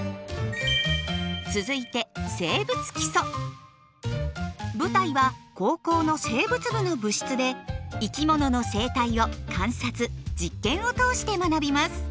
続いて舞台は高校の生物部の部室で生き物の生態を観察・実験を通して学びます。